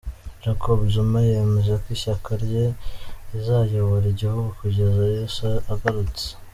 Jacob Zuma yemeza ko ishyaka rye rizayobora igihugu kugeza Yesu agarutse.